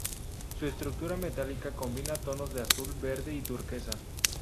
Su estructura metálica combina tonos de azul, verde y turquesa.